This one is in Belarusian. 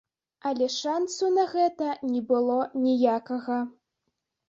Але шансу на гэта не было ніякага.